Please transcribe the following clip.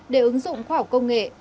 để ứng dụng khoa học công nghệ